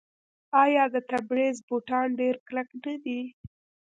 آیا د تبریز بوټان ډیر کلک نه دي؟